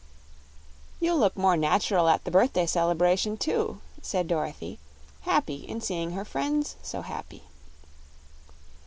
"You'll look more natural at the birthday celebration, too," said Dorothy, happy in seeing her friends so happy.